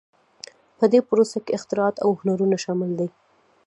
په دې پروسه کې اختراعات او هنرونه شامل دي.